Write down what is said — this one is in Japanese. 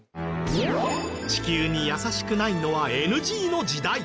地球に優しくないのはＮＧの時代。